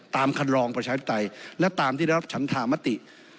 ตามคำลองประชาชนสับสนและตามที่ได้รับชั้นธามติ